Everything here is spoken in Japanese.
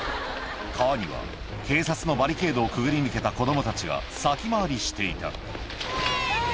・川には警察のバリケードをくぐり抜けた子供たちが先回りしていたイエイ！